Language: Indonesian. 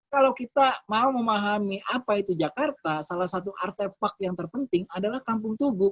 kalau kita mau memahami apa itu jakarta salah satu artefak yang terpenting adalah kampung tugu